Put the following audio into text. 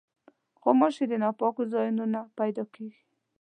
غوماشې د ناپاکو ځایونو نه پیدا کېږي.